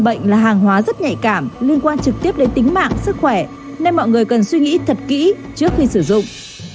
bệnh là hàng hóa rất nhạy cảm liên quan trực tiếp đến tính mạng sức khỏe nên mọi người cần suy nghĩ thật kỹ trước khi sử dụng